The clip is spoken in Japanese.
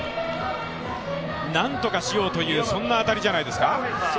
何とかしようというそんな当たりじゃないですか？